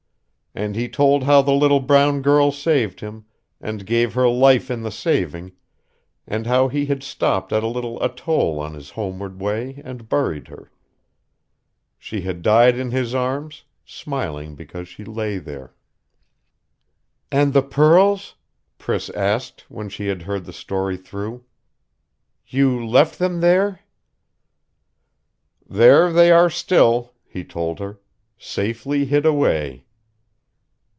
And he told how the brown girl saved him, and gave her life in the saving, and how he had stopped at a little atoll on his homeward way and buried her.... She had died in his arms, smiling because she lay there.... "And the pearls?" Priss asked, when she had heard the story through. "You left them there?" "There they are still," he told her. "Safely hid away."